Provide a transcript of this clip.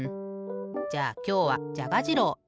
じゃあきょうはじゃがじろういってくれ。